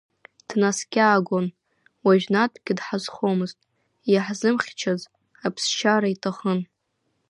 Днаскьаагон, уажәнатәгьы дҳазхомызт, иаҳзымхьчаз, аԥсшьара иҭахын.